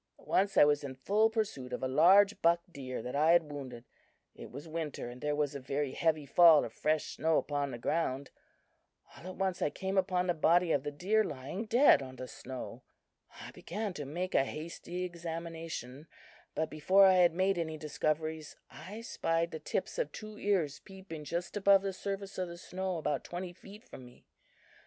"Once I was in full pursuit of a large buck deer that I had wounded. It was winter, and there was a very heavy fall of fresh snow upon the ground. All at once I came upon the body of the deer lying dead on the snow. I began to make a hasty examination, but before I had made any discoveries, I spied the tips of two ears peeping just above the surface of the snow about twenty feet from me.